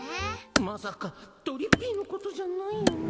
まさかとりっぴいのことじゃないよね？